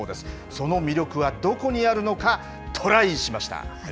その魅力はどこにあるのか、トライしました。